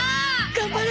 頑張れ！